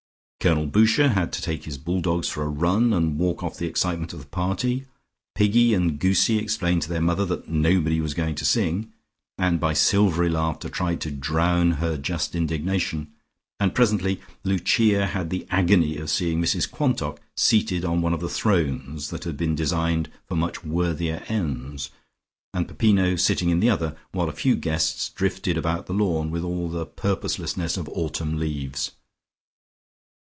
Colonel Boucher had to take his bull dogs for a run and walk off the excitement of the party; Piggy and Goosie explained to their mother that nobody was going to sing, and by silvery laughter tried to drown her just indignation, and presently Lucia had the agony of seeing Mrs Quantock seated on one of the thrones, that had been designed for much worthier ends, and Peppino sitting in the other, while a few guests drifted about the lawn with all the purposelessness of autumn leaves.